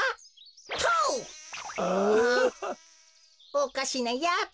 おかしなやつ。